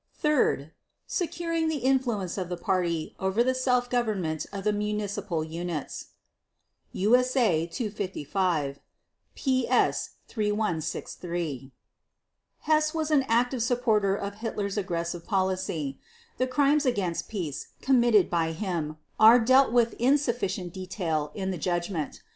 Third—securing the influence of the Party over the self government of the municipal units." (USA 255, PS 3163) Hess was an active supporter of Hitler's aggressive policy. The Crimes against Peace committed by him are dealt with in sufficient detail in the Judgment.